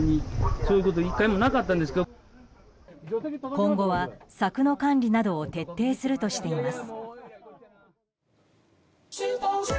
今後は、柵の管理などを徹底するとしています。